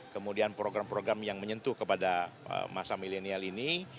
kemudian program program yang menyentuh kepada masa milenial ini